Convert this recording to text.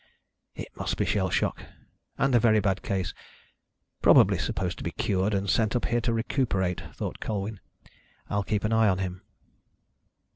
"It must be shell shock, and a very bad case probably supposed to be cured, and sent up here to recuperate," thought Colwyn. "I'll keep an eye on him."